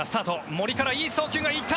森からいい送球がいった。